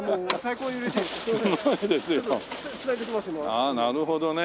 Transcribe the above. ああなるほどね。